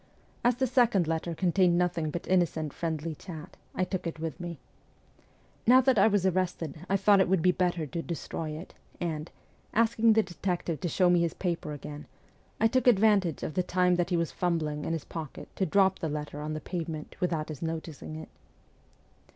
As the second letter contained nothing but innocent friendly chat, I took it with me. v Now that I was arrested I thought it would be better to destroy it, and, asking the detective to show me his paper again, I took advantage of the time that he was fumbling in his pocket to drop the letter on the pavement without his noticing it.